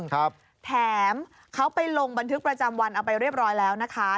ครับแถมเขาไปลงบันทึกประจำวันเอาไปเรียบร้อยแล้วนะคะ